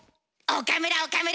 岡村岡村。